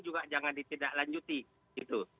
juga jangan ditidaklanjuti gitu